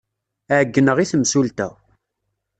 Ɛeyyneɣ i temsulta.